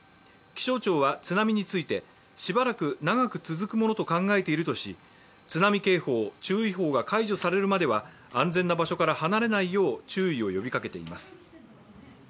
気象庁は津波についてしばらく長く続くものと考えているものとし津波警報・注意報が解除されるまでは安全な場所から離れないよう注意を呼びかけています。